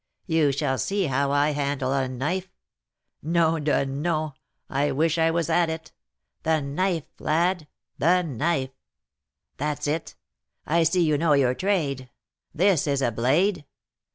You shall see how I handle a knife! Nom de nom! I wish I was at it. The knife, lad! the knife! That's it; I see you know your trade. This is a blade!